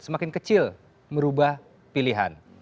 semakin kecil merubah pilihan